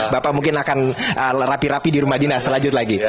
bapak mungkin akan rapi rapi di rumah dinas selanjut lagi